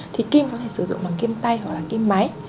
thì kim có thể sử dụng bằng kim tay hoặc là kim máy